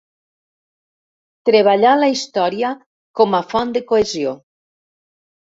Treballà la història com a font de cohesió.